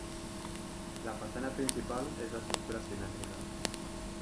La façana principal és d'estructura simètrica.